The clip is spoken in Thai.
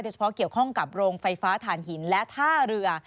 เฉพาะเกี่ยวข้องกับโรงไฟฟ้าฐานหินและท่าเรือ